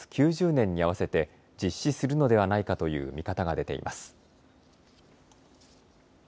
９０年に合わせて実施するのではないかという見方が出ています。